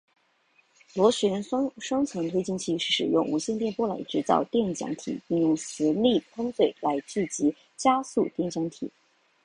螺旋双层推进器是使用无线电波来制造电浆体并用磁力喷嘴来聚集加速电浆体。